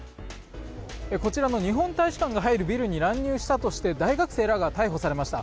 こちらの日本大使館の入るビルに乱入したとして大学生が逮捕されました。